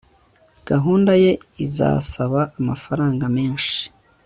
gahunda ye izasaba amafaranga menshi